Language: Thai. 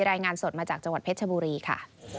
รายงานสดมาจากจังหวัดเพชรชบุรีค่ะ